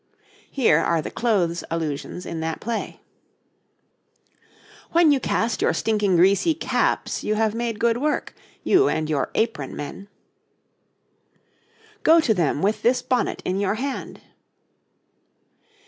Here are the clothes allusions in that play: 'When you cast your stinking greasy caps, You have made good work, You and your apron men.' 'Go to them with this bonnet in your hand.'